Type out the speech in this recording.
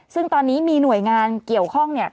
ซึ่งตอนนี้มีหน่วยงานเกี่ยวข้อง